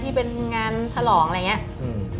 ที่เป็นงานฉลองอะไรอย่างนี้